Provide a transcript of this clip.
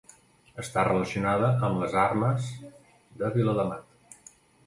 Està relacionada amb les armes de Viladamat.